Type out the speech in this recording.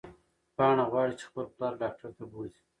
پاڼه غواړي چې خپل پلار ډاکټر ته بوځي.